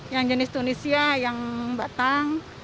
yang jenis tunisia yang batang